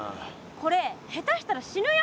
これ下手したら死ぬよ。